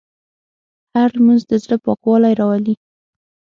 هره لمونځ د زړه پاکوالی راولي.